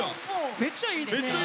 めっちゃいいっすね。